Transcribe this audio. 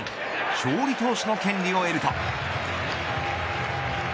勝利投手の権利を得ると。